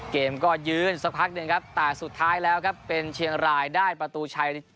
เกมก็ยืนสักพักหนึ่งครับแต่สุดท้ายแล้วครับเป็นเชียงรายได้ประตูชัย